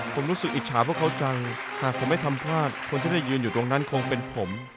ผมรู้สึกอิจฉาพวกเขาจังหากผมไม่ทำพลาดคนที่ได้ยืนอยู่ตรงนั้นคงเป็นผม